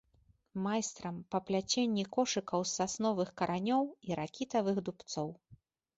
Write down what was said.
Майстрам па пляценні кошыкаў з сасновых каранёў і ракітавых дубцоў.